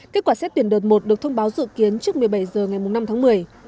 kết quả xét tuyển đợt một được thông báo dự kiến trước một mươi bảy h ngày năm tháng một mươi